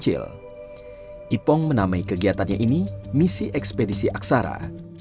ipong menamai kegiatannya ini misi ekspedisi aksara